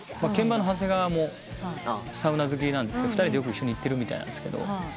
鍵盤の長谷川もサウナ好きなんですけど２人でよく一緒に行ってるみたいなんですけど。